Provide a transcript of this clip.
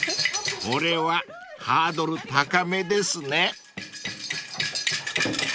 ［これはハードル高めですね］